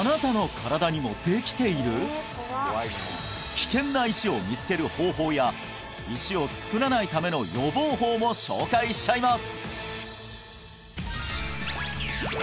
危険な石を見つける方法や石を作らないための予防法も紹介しちゃいます